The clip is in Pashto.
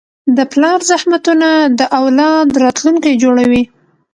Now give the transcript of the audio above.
د پلار زحمتونه د اولاد راتلونکی جوړوي.